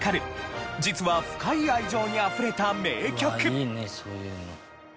うわあいいねそういうの。